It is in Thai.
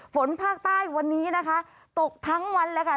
ฝนภาคใต้วันนี้นะคะตกทั้งวันเลยค่ะ